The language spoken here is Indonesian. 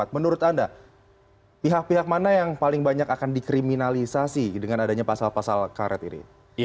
menurut anda pihak pihak mana yang paling banyak akan dikriminalisasi dengan adanya pasal pasal karet ini